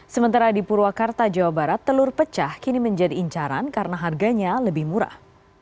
sementara di purwakarta jawa barat telur pecah kini menjadi incaran karena harganya lebih murah